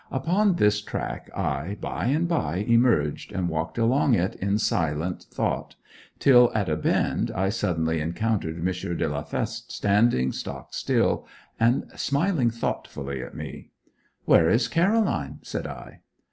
Upon this track I by and by emerged, and walked along it in silent thought till, at a bend, I suddenly encountered M. de la Feste standing stock still and smiling thoughtfully at me. 'Where is Caroline?' said I.